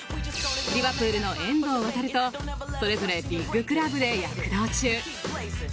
リヴァプールの遠藤航とそれぞれビッククラブで躍動中。